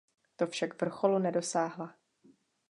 To však vrcholu nedosáhla.